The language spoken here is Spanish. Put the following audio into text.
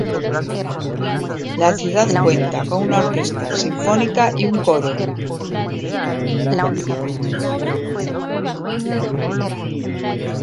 La ciudad cuenta con una orquesta sinfónica y un coro.